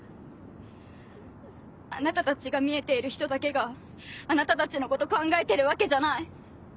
あなたたちが見えている人だけがあなたたちのこと考えてるわけじゃない。